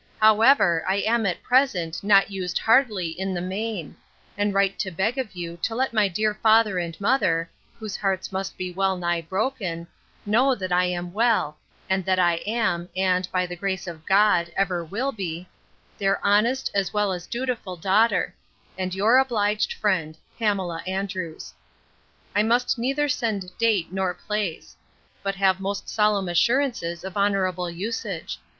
However, I am at present not used hardly, in the main; and write to beg of you to let my dear father and mother (whose hearts must be well nigh broken) know that I am well, and that I am, and, by the grace of God, ever will be, their honest, as well as dutiful daughter, and 'Your obliged friend, 'PAMELA ANDREWS.' 'I must neither send date nor place; but have most solemn assurances of honourable usage.